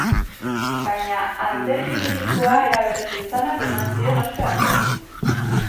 Baina antzerki lirikoa eraberritu izanak eman zion ospe handiena.